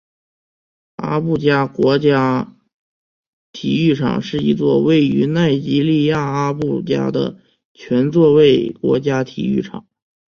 阿布加国家体育场是一座位于奈及利亚阿布加的全座位国家体育场。